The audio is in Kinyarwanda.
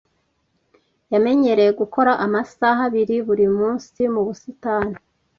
Yamenyereye gukora amasaha abiri buri munsi mu busitani.